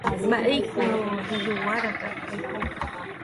Mba'épiko rejoguára'e.